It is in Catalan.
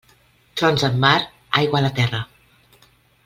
Trons en mar, aigua a la terra.